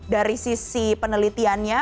dari sisi penelitiannya